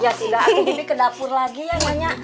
ya tidak ini ke dapur lagi ya nyonya